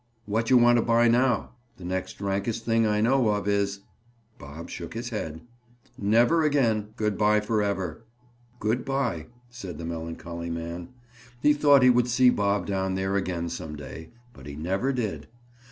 "What you want to buy now? The next rankest thing I know of is—" Bob shook his head. "Never again. Good by forever." "Good by," said the melancholy man. He thought he would see Bob down there again some day, but he never did.